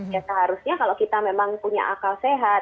ya seharusnya kalau kita memang punya akal sehat